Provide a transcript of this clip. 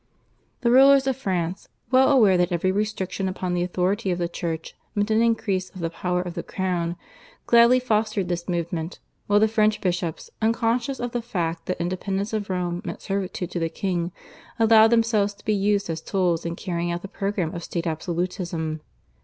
The rulers of France, well aware that every restriction upon the authority of the Church meant an increase of the power of the Crown, gladly fostered this movement, while the French bishops, unconscious of the fact that independence of Rome meant servitude to the king, allowed themselves to be used as tools in carrying out the programme of state absolutism.